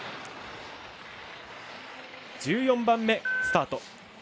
１４番目、スタート。